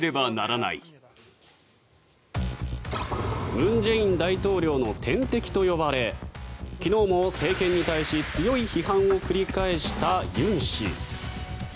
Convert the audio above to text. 文在寅大統領の天敵と呼ばれ昨日も政権に対し強い批判を繰り返したユン氏。